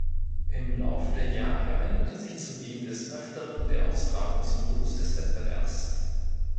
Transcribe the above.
Im Lauf der Jahre änderte sich zudem des Öfteren der Austragungsmodus des Wettbewerbs.